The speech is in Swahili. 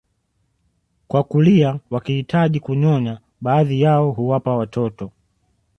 kwa kulia wakihitaji kunyonya baadhi yao huwapa watoto